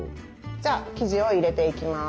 じゃあ生地を入れていきます。